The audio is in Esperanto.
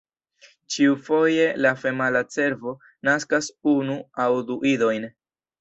Ĉiufoje la femala cervo naskas unu aŭ du idojn.